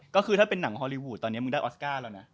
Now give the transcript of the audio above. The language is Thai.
ก็คือถ้าเป็นหนังฮอลลีวูดตอนนี้มึงได้ออสการ์แล้วนะ